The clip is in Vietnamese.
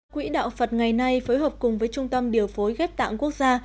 quỹ đạo phật ngày nay phối hợp cùng với trung tâm điều phối ghép tạng quốc gia